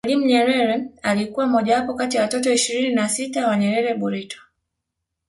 Mwalimu Nyerere alikuwa mojawapo kati watoto ishirini na sita wa Nyerere Burito